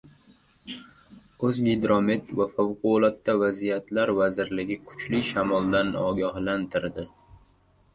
O‘zgidromet va Favqulodda vaziyatlar vazirligi kuchli shamoldan ogohlantirdi